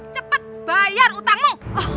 cepat bayar utangmu